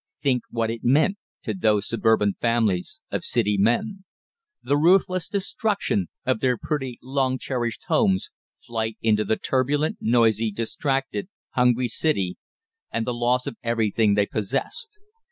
Think what it meant to those suburban families of City men! The ruthless destruction of their pretty, long cherished homes, flight into the turbulent, noisy, distracted, hungry city, and the loss of everything they possessed.